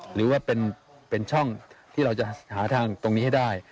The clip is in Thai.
หรือว่าเป็นช่องที่เราจะหาทางตรงนี้ให้ได้